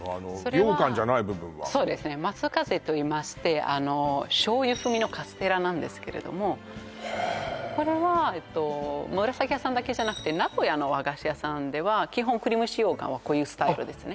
羊羹じゃない部分はそうですねといいまして醤油風味のカステラなんですけれどもへえこれはえっとむらさきやさんだけじゃなくて名古屋の和菓子屋さんでは基本栗蒸し羊羹はこういうスタイルですね